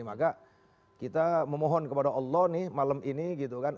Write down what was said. maka kita memohon kepada allah nih malam ini gitu kan